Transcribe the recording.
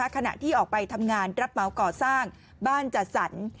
ขณะที่ออกไปทำงานรับเหมาก่อสร้างบ้านจัดสรร